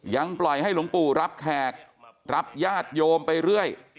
ยังปล่อยให้หลวงปู่รับแขกรับญาติโยมไปเรื่อย